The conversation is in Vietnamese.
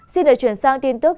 xin đưa chuyển sang tin tức